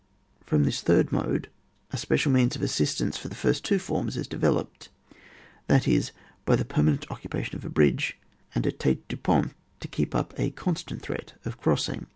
From this third mode a special means of assist ance for the first two forms is developed, that is, by the permanent occupation of a bridge and a tile du pont to keep up a constant threat of crossing.